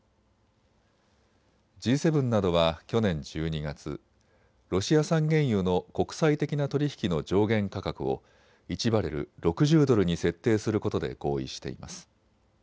Ｇ７などは去年１２月、ロシア産原油の国際的な取り引きの上限価格を１バレル６０ドルに設定することで合意しています。